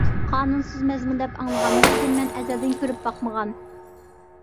قانۇنسىز مەزمۇن دەپ ئاڭلىغان، لېكىن مەن ئەزەلدىن كۆرۈپ باقمىغان.